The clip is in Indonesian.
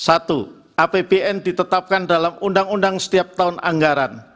satu apbn ditetapkan dalam undang undang setiap tahun anggaran